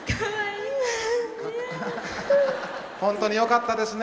本当によかったですね。